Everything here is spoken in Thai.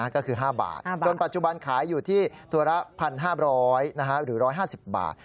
ก็คือ๕บาทจนปัจจุบันขายอยู่ที่ตัวละ๑๕๐๐หรือ๑๕๐บาท